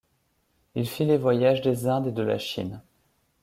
Il fit les voyages des Indes et de la Chine.